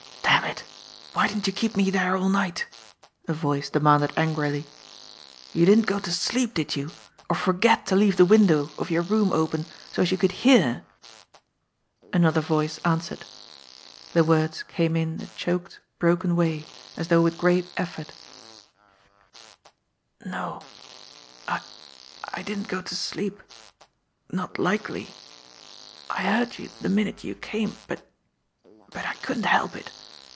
"Damn it, why didn't you keep me there all night?" a voice demanded angrily. "You didn't go to sleep, did you, or forget to leave the window of your room open so's you could heart" Another voice answered. The words came in a choked, broken way, as though with great effort : "No; I I didn't go to sleep. Not likely! I heard you the minute you came, but but I couldn't help it.